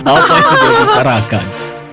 apa yang kamu carakan